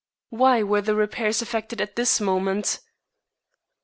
"Why were the repairs effected at this moment?"